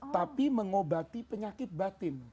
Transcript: tapi mengobati penyakit batin